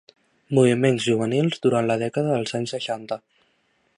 Moviments juvenils durant la dècada dels anys seixanta.